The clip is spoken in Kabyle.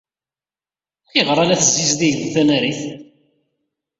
Ayɣer ay la tessizdigeḍ tanarit?